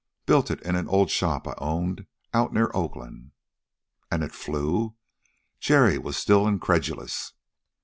"Built it in an old shop I owned out near Oakland." "And it flew?" Jerry was still incredulous.